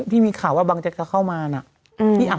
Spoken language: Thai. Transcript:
ที่มีข่าวบางแจ๊กจะเข้ามาที่อับโมง